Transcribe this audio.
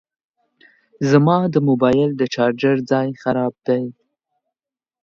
زما د موبایل د چارجر ځای خراب دی